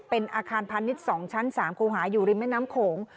เป็นอาคารพาณิชย์๒ชั้น๓ครูหาอยู่ริมแม่น้ำโขง